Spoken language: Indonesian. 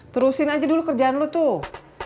terusin aja dulu kerjaan lu tuh